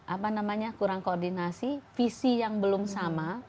apa namanya kurang koordinasi visi yang belum sama